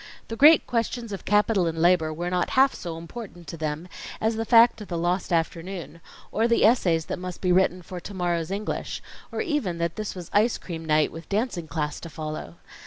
The great questions of Capital and Labor, were not half so important to them, as the fact of the lost afternoon, or the essays that must be written for to morrow's English, or even that this was ice cream night with dancing class to follow.